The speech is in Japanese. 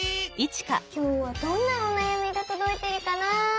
きょうはどんなおなやみがとどいているかな？